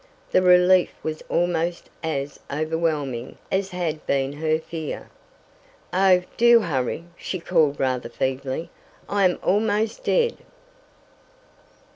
The relief was almost as overwhelming as had been her fear. "Oh, do hurry!" she called rather feebly. "I am almost dead!"